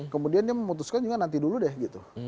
kemudian dia memutuskan juga nanti dulu deh gitu